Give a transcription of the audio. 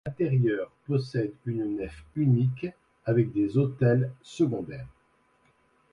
L’intérieur possède une nef unique, avec des autels secondaires.